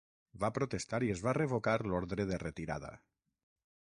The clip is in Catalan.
Va protestar i es va revocar l'ordre de retirada.